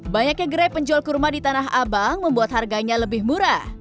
banyaknya gerai penjual kurma di tanah abang membuat harganya lebih murah